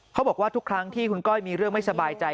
เขาบอกว่าทุกครั้งที่คุณก้อยมีเรื่องไม่สบายใจ